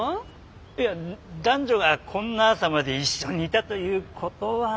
いや男女がこんな朝まで一緒にいたということは。